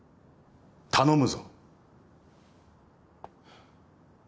頼むぞ。